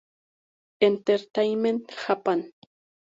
Entertainment Japan.